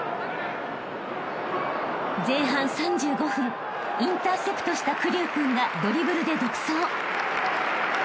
［前半３５分インターセプトした玖生君がドリブルで独走］